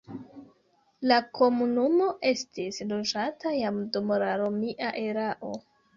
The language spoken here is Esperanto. La komunumo estis loĝata jam dum la romia erao.